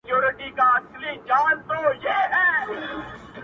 چي دی تنها دی او زه ستړی